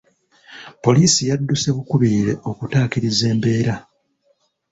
Poliisi yadduse bukubirire okutaakiriza embeera.